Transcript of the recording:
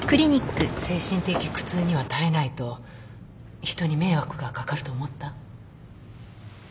精神的苦痛には耐えないと人に迷惑がかかると思った？